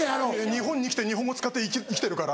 日本に生きて日本語使って生きてるから。